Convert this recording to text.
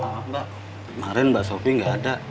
maaf mbak kemarin mbak sophie gak ada